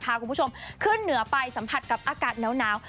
พาคุณผู้ชมขึ้นเหนือไปสัมผัสกับอากาศหนาว